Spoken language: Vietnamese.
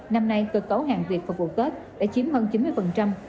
năm nay cơ cấu hàng việt phục vụ tết đã chiếm hơn chín mươi